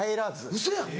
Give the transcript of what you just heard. ウソやん！